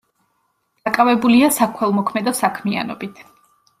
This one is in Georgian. დაკავებულია საქველმოქმედო საქმიანობით.